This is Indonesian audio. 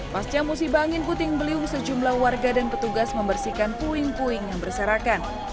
pasca musibah angin puting beliung sejumlah warga dan petugas membersihkan puing puing yang berserakan